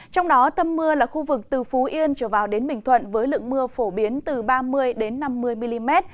từ phú yên trở vào đến bình thuận với lượng mưa phổ biến từ ba mươi năm mươi mm